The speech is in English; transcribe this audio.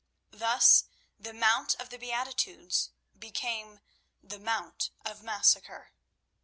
Thus the Mount of the Beatitudes became the Mount of Massacre.